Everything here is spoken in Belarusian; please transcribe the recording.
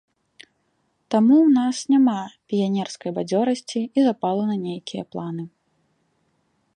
Таму ў нас няма піянерскай бадзёрасці і запалу на нейкія планы.